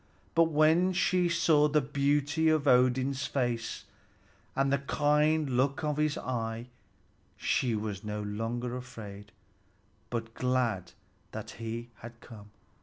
But when she saw the beauty of Odin's face and the kind look of his eye, she was no longer afraid, but glad that he had come.